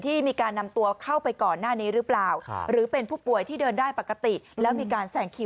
ที่มีการนำตัวเข้าไปก่อนหน้านี้หรือเปล่า